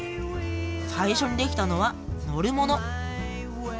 最初にできたのは乗るもの。